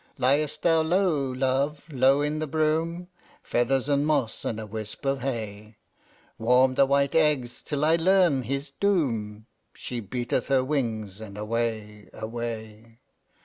"Liest thou low, love? low in the broom? Feathers and moss, and a wisp of hay, Warm the white eggs till I learn his doom." She beateth her wings, and away, away.